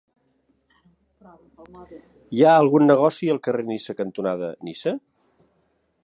Hi ha algun negoci al carrer Niça cantonada Niça?